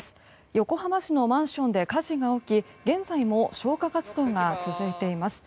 横浜市のマンションで火事が起き現在も消火活動が続いています。